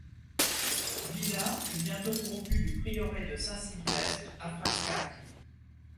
Vida fut bientôt pourvu du prieuré de Saint-Sylvestre à Frascati.